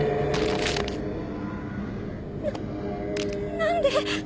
な何で。